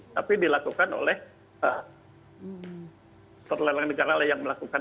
tapi dilakukan oleh terlelang negara yang melakukan